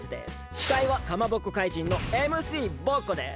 しかいはかまぼこかいじんのＭＣボッコです！